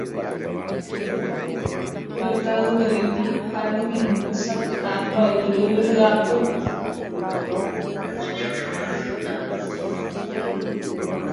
Rokay'uroína ha rohendu sapy'a mba'yru ryapu.